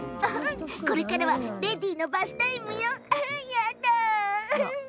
これからレディーのバスタイムよ。